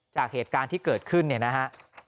จากเหตุการณ์ที่เกิดขึ้นเนี่ยนะฮะ